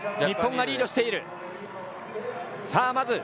日本がリードしている。